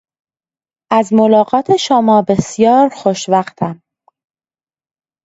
از ملاقات شما بسیار خوشوقتم.